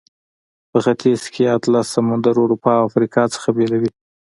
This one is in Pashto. په ختیځ کې اطلس سمندر اروپا او افریقا څخه بیلوي.